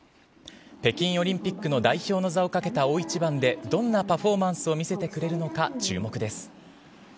北京オリンピックの代表の座をかけた大一番でどんなパフォーマンスを見せてくれるのか、注目です。